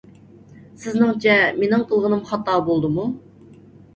سىزنىڭچە، مېنىڭ قىلغىنىم خاتا بولدىمۇ؟